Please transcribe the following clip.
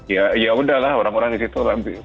ya udah lah orang orang di situ